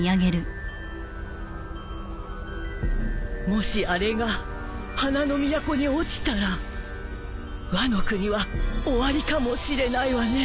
もしあれが花の都に落ちたらワノ国は終わりかもしれないわね